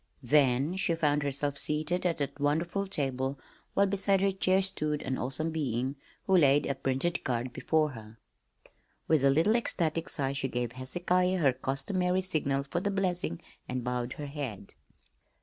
Then she found herself seated at that wonderful table, while beside her chair stood an awesome being who laid a printed card before her. With a little ecstatic sigh she gave Hezekiah her customary signal for the blessing and bowed her head.